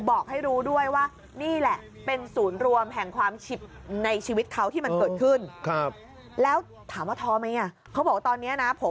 บอกให้รู้ด้วยว่านี่แหละเป็นศูนย์รวมแห่งความฉิบในชีวิตเขาที่มันเกิดขึ้น